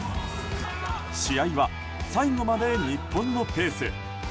試合は最後まで日本のペース。